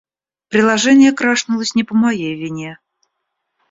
Приложение крашнулось не по моей вине.